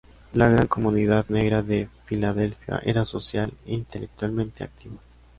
La gran comunidad negra de Filadelfia era social e intelectualmente activa.